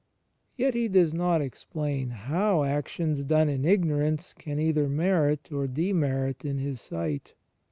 Yet He does not explain how actions done in ignorance can either merit or demerit in His sight.